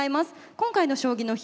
今回の「将棋の日」